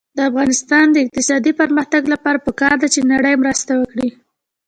د افغانستان د اقتصادي پرمختګ لپاره پکار ده چې نړۍ مرسته وکړي.